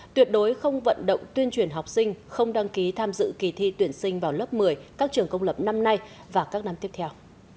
tuyệt đối không vận động tuyên truyền học sinh không đăng ký tham dự kỳ thi tuyển sinh vào lớp một mươi các trường công lập năm nay và các năm tiếp theo